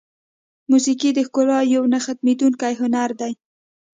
موسیقي د ښکلا یو نه ختمېدونکی هنر دی.